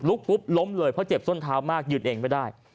ปุ๊บล้มเลยเพราะเจ็บส้นเท้ามากยืนเองไม่ได้